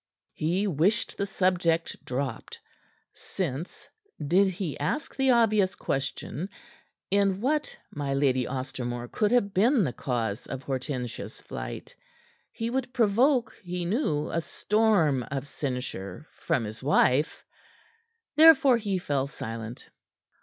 He wished the subject dropped, since, did he ask the obvious question in what my Lady Ostermore could have been the cause of Hortensia's flight he would provoke, he knew, a storm of censure from his wife. Therefore he fell silent.